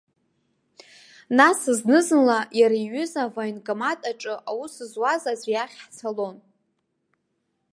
Нас знызынла иара иҩыза, авоенкомат аҿы аус зуаз аӡәы иахь ҳцалон.